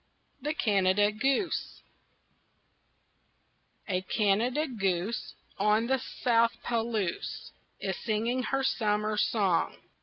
THE CANADA GOOSE A Canada goose On the South Palouse Is singing her summer song.